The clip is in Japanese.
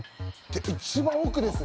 一番奥です。